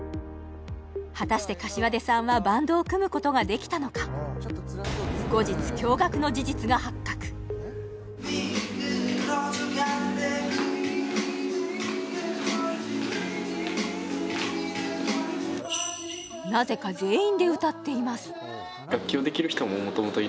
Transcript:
果たして膳さんはバンドを組むことができたのか後日なぜか全員で歌っています